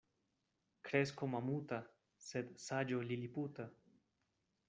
Kresko mamuta, sed saĝo liliputa.